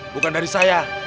bukan dari saya